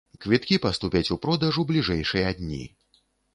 Квіткі паступяць у продаж у бліжэйшыя дні.